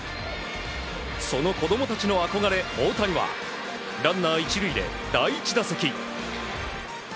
その子供たちの憧れ大谷はランナー１塁で第１打席。